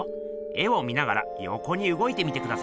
絵を見ながらよこにうごいてみてくださいよ。